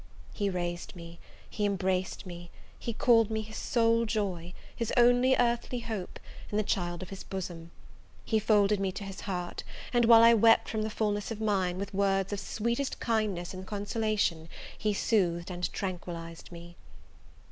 He raised, he embraced me: he called me his sole joy, his only earthly hope, and the child of his bosom! He folded me to his heart; and, while I wept from the fulness of mine, with words of sweetest kindness and consolation, he soothed and tranquillised me.